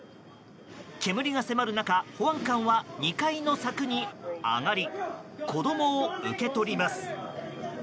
煙が迫る中、保安官は２階の柵に上がり子供を受け取ります。